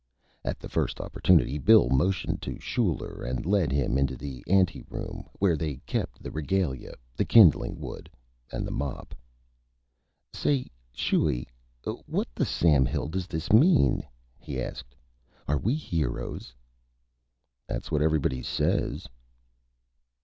At the first opportunity Bill motioned to Schuyler, and led him into the Anteroom, where they kept the Regalia, the Kindling Wood, and the Mop. "Say, Schuy, what the Sam Hill does this mean?" he asked; "are we Heroes?" "That's what Everybody says."